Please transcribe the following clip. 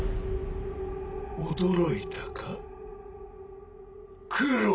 驚いたか？